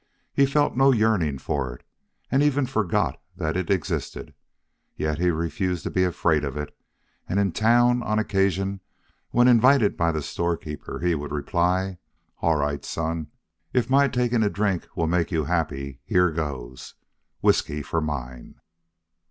He felt no yearning for it, and even forgot that it existed. Yet he refused to be afraid of it, and in town, on occasion, when invited by the storekeeper, would reply: "All right, son. If my taking a drink will make you happy here goes. Whiskey for mine."